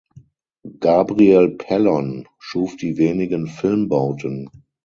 Gabriel Pellon schuf die wenigen Filmbauten.